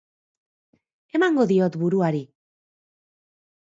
Emango diot buruari.